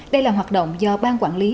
đây là hoạt động do ban quản lý